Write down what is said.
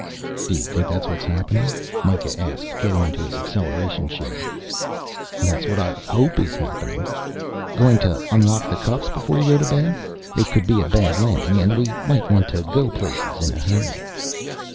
"Do you think that's what is happening?" Mikah asked, getting into his acceleration chair. "That's what I hope is happening. Going to unlock the cuffs before you go to bed? It could be a bad landing and we might want to go places in a hurry."